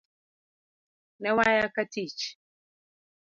Ne waya katich